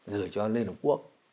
gửi cho liên hợp quốc